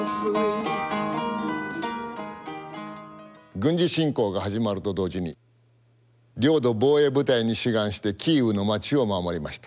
軍事侵攻が始まると同時に領土防衛部隊に志願してキーウの街を守りました。